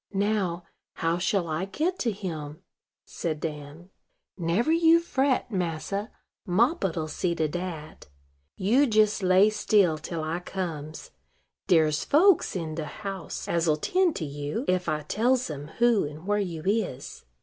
Now, how shall I get to him?" said Dan. "Never you fret, massa: Moppet'll see to dat. You jes lay still till I comes. Dere's folks in de house as'll tend to you, ef I tells em who and where you is."